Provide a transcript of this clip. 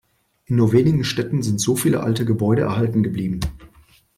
In nur wenigen Städten sind so viele alte Gebäude erhalten geblieben.